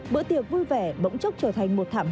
bữa tiệc vui vẻ bỗng chốc trở thành một thảm họa